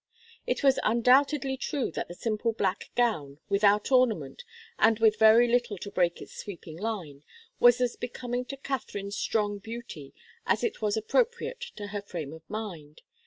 It was undoubtedly true that the simple black gown, without ornament and with very little to break its sweeping line, was as becoming to Katharine's strong beauty as it was appropriate to her frame of mind.